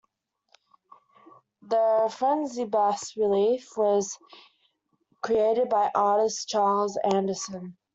The frieze bas relief was created by artist Charles Anderson.